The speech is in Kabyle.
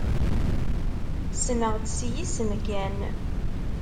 Ssneɣ-tt s yisem kan.